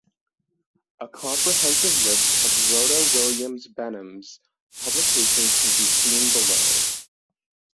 A comprehensive list of Rhoda Williams Benham’s publications can be seen below.